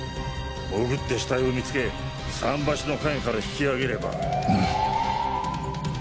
潜って死体を見つけ桟橋のカゲから引きあげれば。